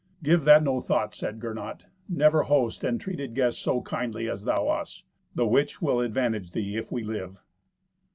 "Give that no thought," said Gernot. "Never host entreated guests so kindly as thou us; the which will advantage thee if we live."